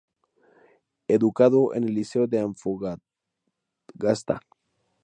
Educado en el Liceo de Antofagasta.